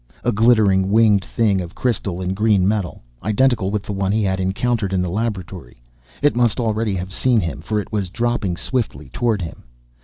A glittering, winged thing of crystal and green metal, identical with the one he had encountered in the laboratory. It must already have seen him, for it was dropping swiftly toward him.